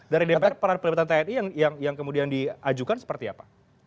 dari dpr peran pelibatan tni yang kemudian diajukan seperti apa